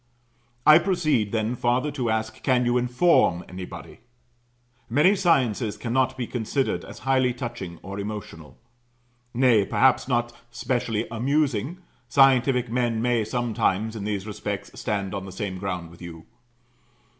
I proceed then farther to ask, Can you inform anybody? Many sciences cannot be considered as highly touching or emotional; nay, perhaps not specially amusing; scientific men may sometimes, in these respects, stand on the same ground with you.